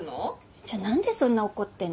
じゃあ何でそんな怒ってんの？